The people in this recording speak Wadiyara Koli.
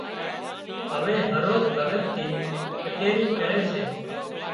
هوي هروز ڀڳت ٿِي ڪچيرِي ڪري سي